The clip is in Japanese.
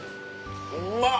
うまっ！